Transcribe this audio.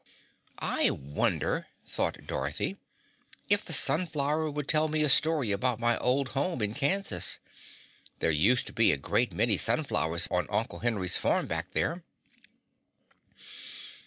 "I wonder," thought Dorothy, "if the sunflower would tell me a story about my old home in Kansas. There used to be a great many sunflowers on Uncle Henry's farm back there."